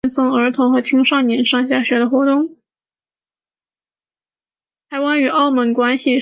台湾与澳门关系是指台湾和澳门特别行政区的双边关系。